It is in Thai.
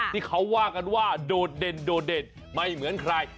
ที่เขาว่ากันว่าโดดเด่นโดดเด่นไม่เหมือนใคร